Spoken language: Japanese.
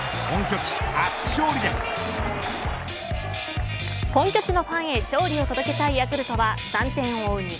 本拠地のファンへ勝利を届けたいヤクルトは３点を追う